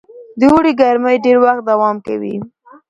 د اوړي ګرمۍ ډېر وخت دوام کوي.